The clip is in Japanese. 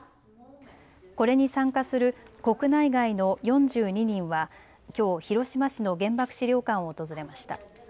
これに参加する国内外の４２人はきょう広島市の原爆資料館を訪れました。